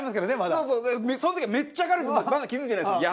だからその時はめっちゃ軽いとまだ気付いてないんですよ。